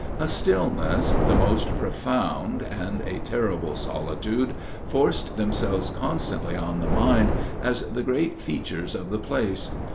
A stillness the most profound, and a terrible solitude, forced themselves constantly on the mind as the great features of the place.